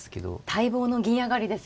待望の銀上がりですよね。